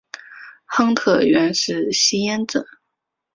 亨特原是吸烟者。